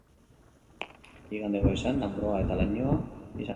Igande goizean lanbroa eta lainoa izango dugu.